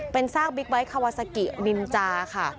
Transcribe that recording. เป็นซากบิ๊กไบท์คาวาซากินินจาค่ะ